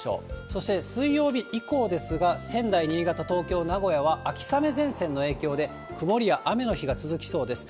そして、水曜日以降ですが、仙台、新潟、東京、名古屋は秋雨前線の影響で、曇りや雨の日が続きそうです。